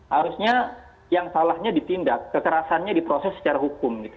harusnya yang salahnya ditindak kekerasannya diproses secara hukum